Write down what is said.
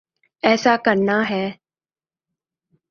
ایسا کرنا ہے۔